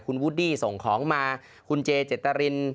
คุณวูดดี้ส่งของมาคุณเจเจตริน